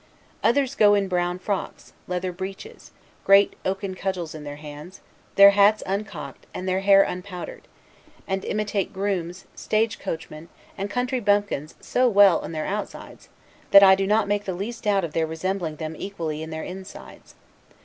Others go in brown frocks, leather breeches, great oaken cudgels in their hands, their hats uncocked, and their hair unpowdered; and imitate grooms, stage coachmen, and country bumpkins so well in their outsides, that I do not make the least doubt of their resembling them equally in their insides.